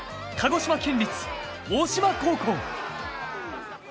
鹿児島県立大島高校。